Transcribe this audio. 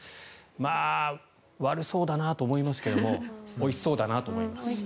まあ、悪そうだなと思いますけどもおいしそうだなと思います。